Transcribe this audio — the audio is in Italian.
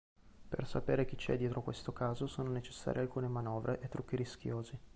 Per sapere chi c'è dietro questo caso sono necessarie alcune manovre e trucchi rischiosi.